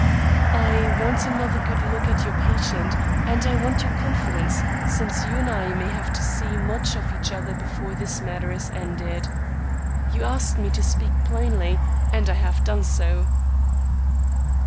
"I want another good look at your patient, and I want your confidence since you and I may have to see much of each other before this matter is ended. You asked me to speak plainly and I have done so."